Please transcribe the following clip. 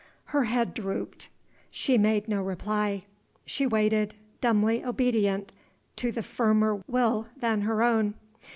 _ Her head drooped; she made no reply; she waited, dumbly obedient to the firmer will than her own.